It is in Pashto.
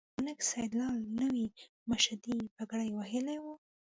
ملک سیدلال نوې مشدۍ پګړۍ وهلې وه.